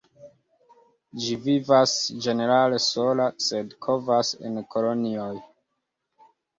Ĝi vivas ĝenerale sola, sed kovas en kolonioj.